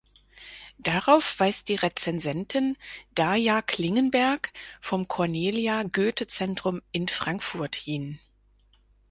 Darauf weist die Rezensentin Darja Klingenberg vom Cornelia Goethe Centrum in Frankfurt hin.